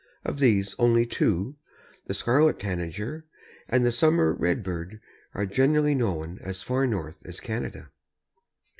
Of these only two, the Scarlet Tanager and the Summer Red bird, are generally known as far north as Canada.